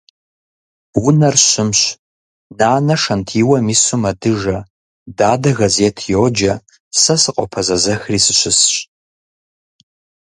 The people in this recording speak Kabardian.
Унэр щымщ. Нанэ шэнтиуэм ису мэдыжэ, дадэ газет йоджэ, сэ сыкъопэзэзэхыри сыщысщ.